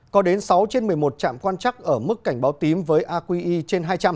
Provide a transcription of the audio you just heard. có đến sáu trên một mươi một trạm quan chắc ở mức cảnh báo tím với aqi trên hai trăm linh